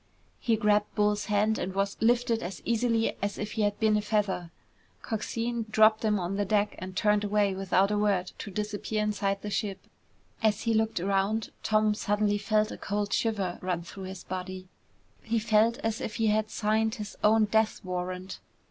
He grabbed Bull's hand and was lifted as easily as if he had been a feather. Coxine dropped him on the deck and turned away without a word to disappear inside the ship. As he looked around, Tom suddenly felt a cold shiver run through his body. He felt as if he had signed his own death warrant.